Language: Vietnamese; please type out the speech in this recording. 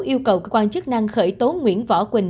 yêu cầu cơ quan chức năng khởi tố nguyễn võ quỳnh